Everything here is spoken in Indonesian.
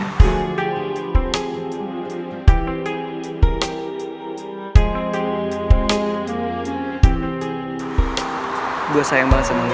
tidak ada yang bisa dikendalikan